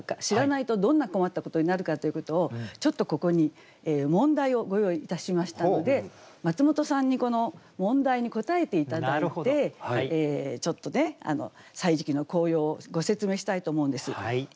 知らないとどんな困ったことになるかということをちょっとここに問題をご用意いたしましたのでマツモトさんにこの問題に答えて頂いてちょっとね「歳時記」の効用をご説明したいと思うんです。